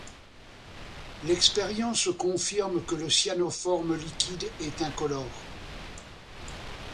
L'expérience confirme que le cyanoforme liquide est incolore.